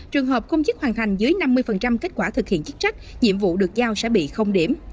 trường hợp công chức hoàn thành dưới năm mươi kết quả thực hiện chức trách nhiệm vụ được giao sẽ bị điểm